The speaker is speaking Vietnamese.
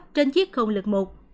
trên chiếc không lực một